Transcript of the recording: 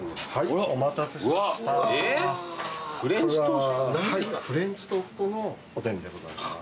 はいフレンチトーストのおでんでございます。